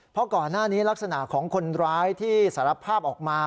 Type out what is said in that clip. เพราะก่อนหน้านี้ลักษณะของคนร้ายที่สารภาพออกมา